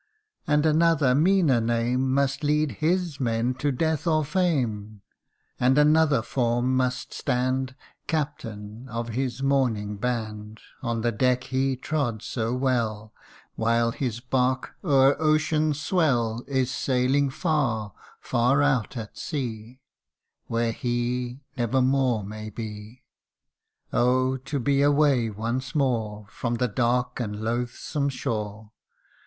And another meaner name Must lead his men to death or fame ! And another form must stand (Captain of his mourning band) On the deck he trod so well, While his bark o'er ocean's swell Is sailing far, far out at sea, Where he never more may be ! Oh ! to be away once more From the dark and loathsome shore